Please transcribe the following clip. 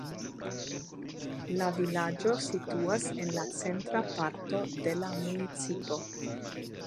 La vilaĝo situas en la centra parto de la municipo.